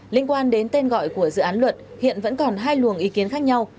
liên quan đến tên gọi của dự án luật hiện vẫn còn hai luồng ý kiến khác nhau